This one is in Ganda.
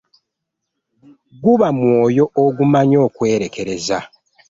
Guba mwoyo ogumanyi okwerekereza .